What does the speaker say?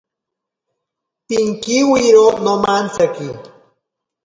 Pinkiwiro nomantsaki.